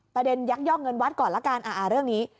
ยักยอกเงินวัดก่อนละกันเรื่องนี้